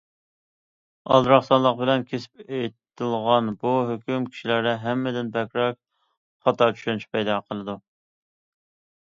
ئالدىراقسانلىق بىلەن كېسىپ ئېيتىلغان بۇ ھۆكۈم كىشىلەردە ھەممىدىن بەكرەك خاتا چۈشەنچە پەيدا قىلىدۇ.